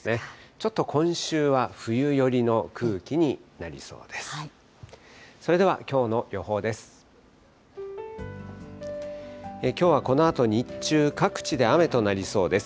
ちょっと今週は冬寄りの空気になりそうです。